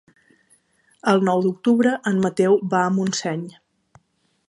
El nou d'octubre en Mateu va a Montseny.